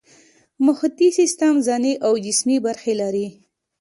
محیطي سیستم ځانی او جسمي برخې لري